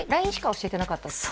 ＬＩＮＥしか教えてなかった？